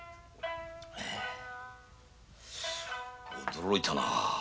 驚いたなぁ。